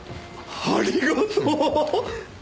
ありがとう！